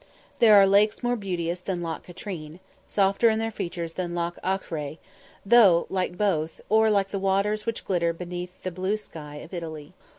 There are lakes more beauteous than Loch Katrine, softer in their features than Loch Achray, though like both, or like the waters which glitter beneath the blue sky of Italy.